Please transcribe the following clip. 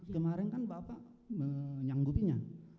kemarin kan bapak menyanggupinya